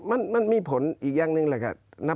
อือมันมีผลอีกอย่างหนึ่งล่ะครับ